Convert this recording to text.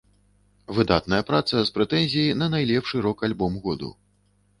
Выдатная праца з прэтэнзіяй на найлепшы рок-альбом году.